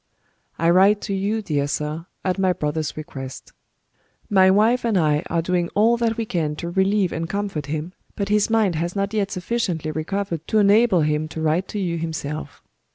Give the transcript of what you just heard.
"I write to you, dear sir, at my brother's request. My wife and I are doing all that we can to relieve and comfort him, but his mind has not yet sufficiently recovered to enable him to write to you himself.